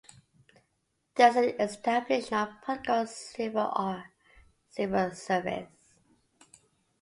There is an established non-political civil service.